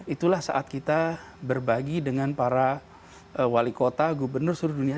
itulah saat kita berbagi dengan para wali kota gubernur seluruh dunia